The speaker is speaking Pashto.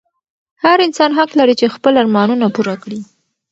هر انسان حق لري چې خپل ارمانونه پوره کړي.